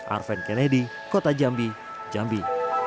arven kennedy kota jambi jambi